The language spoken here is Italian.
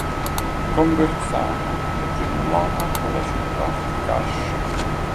Conversano è gemellata con la città Cascia.